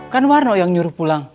kan warno yang nyuruh pulang